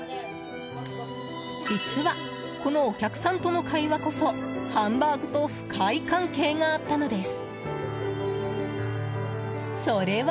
実は、このお客さんとの会話こそハンバーグと深い関係があったのです。